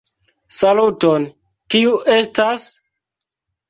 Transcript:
Saluton, kiu estas?